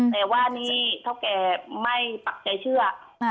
แต่ว่านี่เท่าแก่ไม่ปักใจเชื่อ